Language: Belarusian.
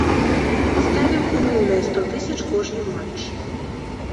Ставім умоўныя сто тысяч кожны матч.